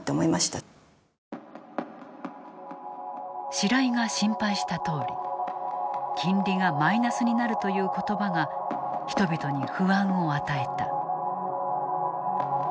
白井が心配したとおり金利がマイナスになるという言葉が人々に不安を与えた。